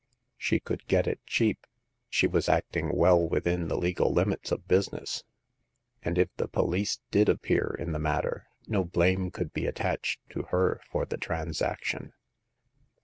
She could get it cheap ; she was acting well within the legal limits of business ; and if the police did appear in the matter, no blame could be attached to her for the transaction.